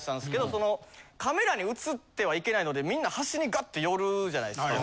そのカメラに映ってはいけないのでみんな端にガッとよるじゃないですか。